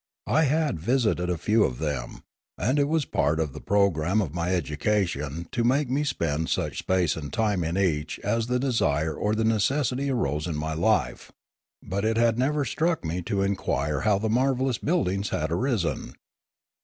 I had visited a few of them, and it was part of the programme of my education to make me spend such space and time in each as the desire or the necessity arose in my life; but it had never struck me to inquire how the marvellous buildings had arisen.